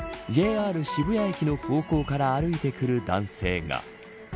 ＪＲ渋谷駅の方向から歩いてくる男性が。